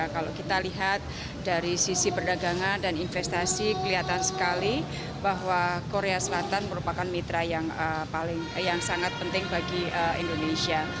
kalau kita lihat dari sisi perdagangan dan investasi kelihatan sekali bahwa korea selatan merupakan mitra yang sangat penting bagi indonesia